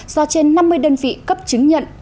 do trên năm mươi đơn vị cấp chứng nhận